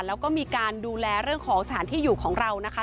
แล้วก็มีการดูแลเรื่องของสถานที่อยู่ของเรานะคะ